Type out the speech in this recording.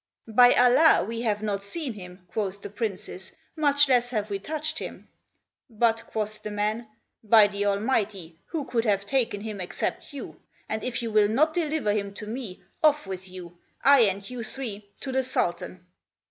'* "By Allah we have not seen him," quoth the Princes, "much less have we touched him;" but quoth the man, "By the Almighty, who could have taken him except you? and if you will not deliver him to me, off with us, I and you three, to the Sultan."